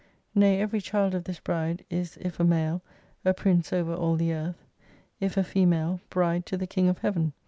Nay every child of this Bride is if a mal e, a Prince over all the earth ; if a female, Bride to the King of Heaven.